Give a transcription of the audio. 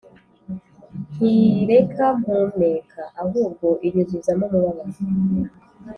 ntireka mpumeka, ahubwo inyuzuzamo umubabaro